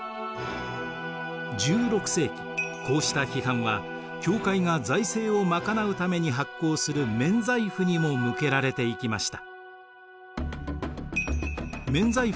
１６世紀こうした批判は教会が財政を賄うために発行する免罪符にも向けられていきました。